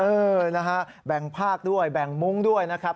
เออนะฮะแบ่งภาคด้วยแบ่งมุ้งด้วยนะครับ